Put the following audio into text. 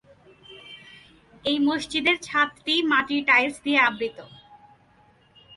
এই মসজিদের ছাদটি মাটির টাইলস দিয়ে আবৃত।